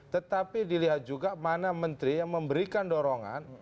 tetapi dilihat juga mana menteri yang memberikan dorongan